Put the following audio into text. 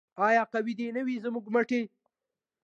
آیا قوي دې نه وي زموږ مټې؟